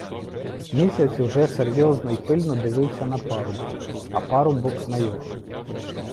Місяць уже серйозно й пильно дивився на парубка, а парубок на його.